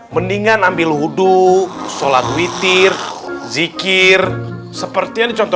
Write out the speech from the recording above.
sekiranya kedua autu